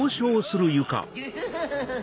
グフフフ